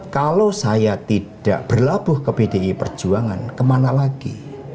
kalau saya tidak berlabuh ke pdi perjuangan kemana lagi